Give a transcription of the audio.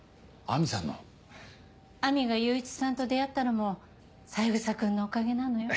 亜美が祐一さんと出会ったのも三枝君のおかげなのよ。